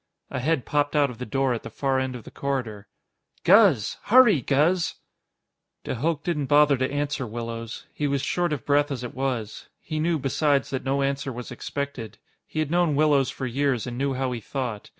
A head popped out of the door at the far end of the corridor. "Guz! Hurry, Guz!" De Hooch didn't bother to answer Willows. He was short of breath as it was. He knew, besides, that no answer was expected. He had known Willows for years, and knew how he thought.